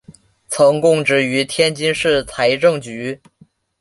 曾供职于天津市财政局。